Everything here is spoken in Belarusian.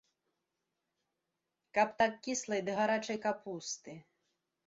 Каб так кіслай ды гарачай капусты.